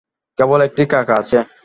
কেবল একটি কাকা আছে।